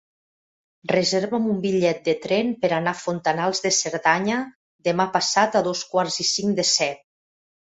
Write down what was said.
Reserva'm un bitllet de tren per anar a Fontanals de Cerdanya demà passat a dos quarts i cinc de set.